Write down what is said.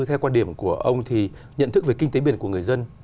theo quan điểm của ông thì nhận thức về kinh tế biển của người dân